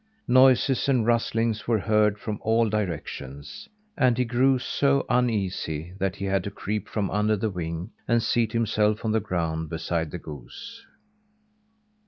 Noises and rustlings were heard from all directions, and he grew so uneasy that he had to creep from under the wing and seat himself on the ground, beside the goose.